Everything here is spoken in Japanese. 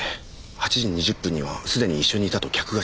８時２０分にはすでに一緒にいたと客が証言しています。